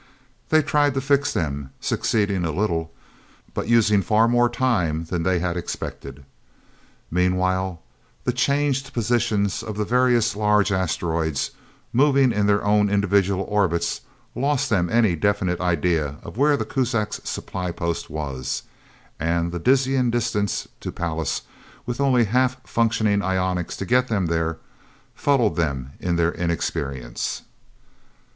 They tried to fix them up, succeeding a little, but using far more time than they had expected. Meanwhile, the changed positions of the various large asteroids, moving in their own individual orbits, lost them any definite idea of where the Kuzaks' supply post was, and the dizzying distance to Pallas, with only half functioning ionics to get them there, fuddled them in their inexperience.